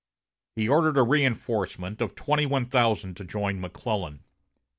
He ordered a reinforcement of twenty one thousand to join McClellan.